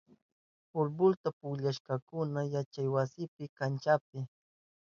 Futbolta pukllahunkuna yachaywasipa kanchanpi.